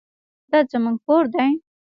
دا زموږ کور دی؟